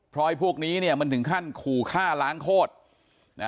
เพราะพวกนี้มันถึงขั้นขู่ฆ่าล้างโคตร